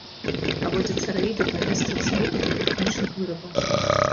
Праводзяцца рэйды па месцах збыту піратэхнічных вырабаў.